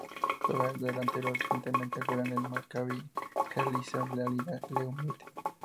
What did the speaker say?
Juega de delantero y recientemente juega en el Maccabi Herzliya de la Liga Leumit.